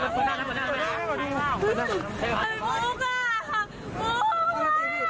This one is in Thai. อ้อค่อยค่อยค่อยค่อย